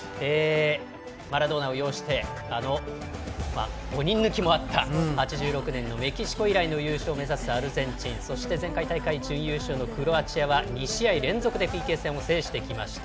マラドーナを擁して５人抜きもあった８６年のメキシコ以来の優勝を目指すアルゼンチンそして前回大会準優勝のクロアチアは２試合連続でＰＫ戦を制してきました。